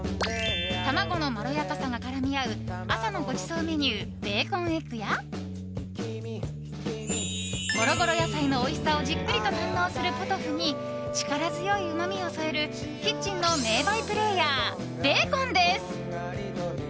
卵のまろやかさが絡み合う朝のごちそうメニューベーコンエッグやごろごろ野菜のおいしさをじっくりと堪能するポトフに力強いうまみを添えるキッチンの名バイプレーヤーベーコンです。